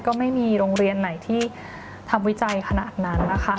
ก็ไม่มีโรงเรียนไหนที่ทำวิจัยขนาดนั้นนะคะ